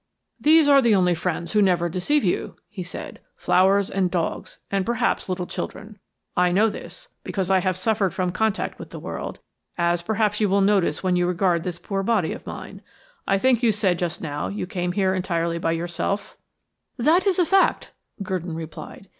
"These are the only friends who never deceive you," he said. "Flowers and dogs, and, perhaps, little children. I know this, because I have suffered from contact with the world, as, perhaps, you will notice when you regard this poor body of mine. I think you said just now you came here entirely by yourself." "That is a fact," Gurdon replied.